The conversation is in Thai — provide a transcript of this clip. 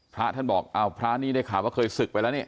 พระท่านบอกอ้าวพระนี่ได้ข่าวว่าเคยศึกไปแล้วนี่